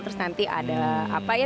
terus nanti ada apa ya